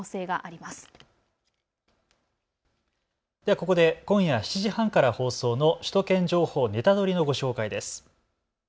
ここで今夜７時半から放送の首都圏情報ネタドリ！のご紹介です。